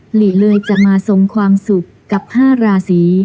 หรี่เลยจะมาส่งความสุขกับภาราศรี